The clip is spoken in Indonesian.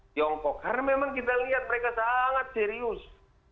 tiongkok karena memang kita lihat mereka sangat serius